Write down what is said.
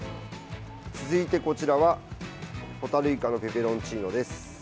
続いて、こちらはホタルイカのペペロンチーノです。